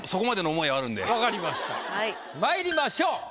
分かりましたまいりましょう。